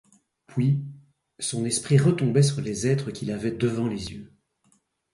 Puis son esprit retombait sur les êtres qu’il avait devant les yeux.